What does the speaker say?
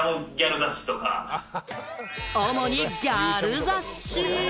主にギャル雑誌。